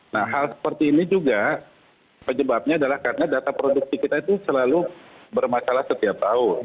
nah hal seperti ini juga penyebabnya adalah karena data produksi kita itu selalu bermasalah setiap tahun